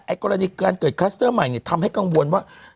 กรณีการเกิดคลัสเตอร์ใหม่ทำให้กังวลว่า